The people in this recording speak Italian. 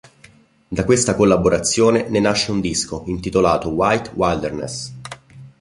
Da questa collaborazione ne nasce un disco intitolato "White Wilderness".